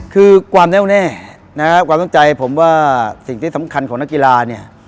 คือความแน่วแน่นะครับความตั้งใจผมว่าสิ่งที่สำคัญของนักกีฬาเนี่ย